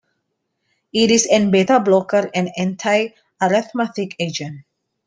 It is an beta blocker and anti-arrhythmic agent.